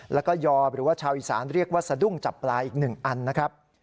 แล้วก็ยอหรือว่าชาวอีสานเรียกว่าสะดุ้งจับปลาอีก๑อันนะครับ